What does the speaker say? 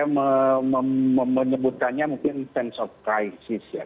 saya menyebutkannya mungkin sense of crisis ya